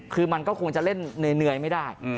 คือมันก็คงจะเล่นเหนื่อยไม่ได้